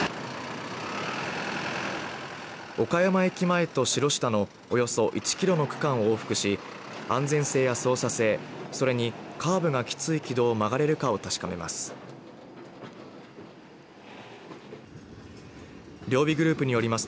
岡山駅前と城下のおよそ１キロの区間を往復し安全性や操作性それにカーブがきつい軌道を曲がれるかを確かめます。